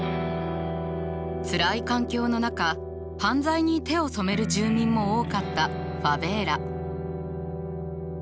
つらい環境の中犯罪に手を染める住民も多かったファベーラ。